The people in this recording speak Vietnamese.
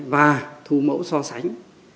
và thu mẫu so sánh